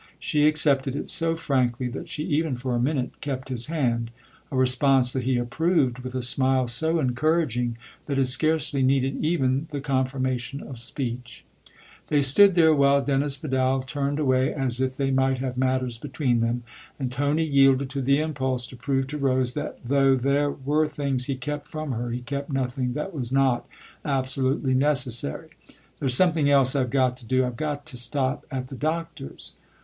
She accepted it so frankly that she even for a minute kept his hand a response that he approved with a smile so encouraging that it scarcely needed even the confirmation of speech. They stood there while Dennis Vidal turned away as if they might have matters between them, and Tony yielded to the impulse to prove to Rose that though there were things he kept from her he kept nothing that was not absolutely necessary. " There's some thing else I've got to do I've got to stop at the Doctor's."